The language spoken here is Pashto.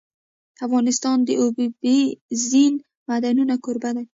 افغانستان د اوبزین معدنونه کوربه دی.